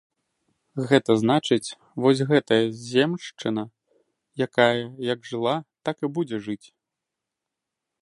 Гэта значыць, вось гэтая земшчына, якая як жыла, так і будзе жыць.